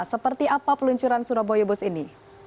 seperti apa peluncuran surabaya bus ini